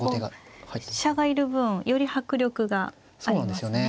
飛車がいる分より迫力がありますね。